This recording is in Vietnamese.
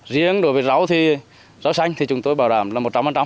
riêng đối với rau xanh thì chúng tôi bảo đảm là một trăm linh